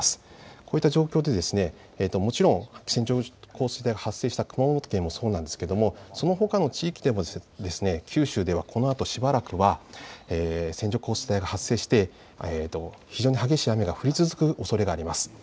こういった状況でもちろん線状降水帯が発生した熊本県もそうなんですがそのほかの地域でも九州ではこのあとしばらくは線状降水帯が発生して非常に激しい雨が降り続くおそれがあります。